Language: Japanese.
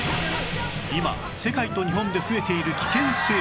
今世界と日本で増えている危険生物